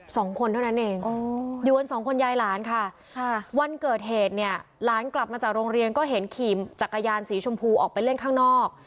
สองคนเท่านั้นเองอยู่กันสองคนยายหลานค่ะค่ะวันเกิดเหตุเนี่ยหลานกลับมาจากโรงเรียนก็เห็นขี่จักรยานสีชมพูออกไปเล่นข้างนอก